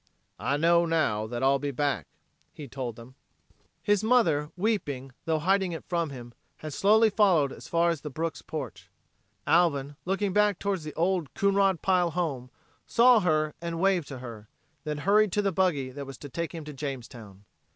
"I know, now, that I'll be back," he told them. His mother, weeping, tho hiding it from him, had slowly followed as far as the Brooks' porch. Alvin, looking back toward the old Coonrod Pile home, saw her and waved to her, then hurried to the buggy that was to take him to Jamestown.